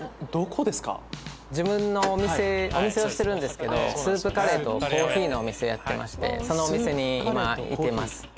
自分のお店お店をしてるんですけどスープカレーとコーヒーのお店やってましてそのお店に今いてます。